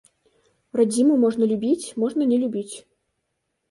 Радзіму можна любіць, можна не любіць.